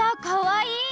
かわいい！